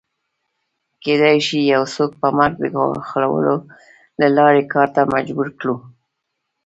کېدای شي یو څوک په مرګ د ګواښلو له لارې کار ته مجبور کړو